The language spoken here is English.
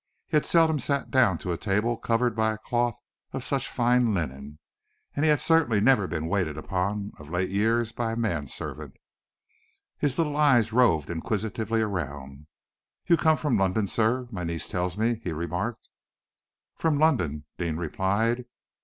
He had seldom sat down to a table covered by a cloth of such fine linen, and he had certainly never been waited upon, of late years, by a man servant. His little eyes roved inquisitively around. "You come from London, sir, my niece tells me," he remarked. "From London," Deane replied.